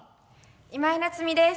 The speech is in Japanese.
今井菜津美です。